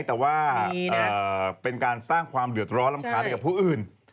แต่ว่าเป็นการสร้างความเดือดร้อนรำคาญให้กับผู้อื่น